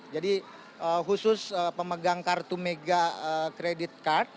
jadi khusus pemegang kartu mega credit card